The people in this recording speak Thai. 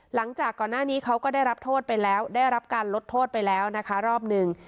หลังจากก่อนหน้านี้เขาก็ได้รับการลดโทษไปแล้วรอบหนึ่ง